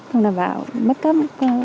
thông đảm bảo mất cấp